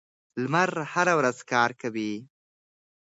لمر هره ورځ کار کوي.